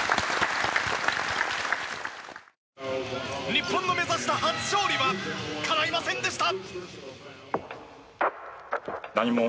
日本の目指した初勝利はかないませんでした。